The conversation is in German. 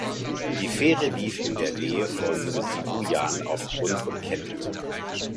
Die Fähre lief in der Nähe von Sibuyan auf Grund und kenterte.